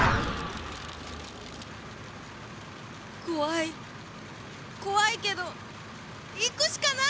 怖い怖いけど行くしかない！